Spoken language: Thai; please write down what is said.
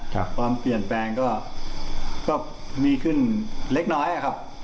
ความเปลี่ยนแปลงก็มีขึ้นเล็กน้อยครับ